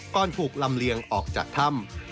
ถูกลำเลียงออกจากถ้ำ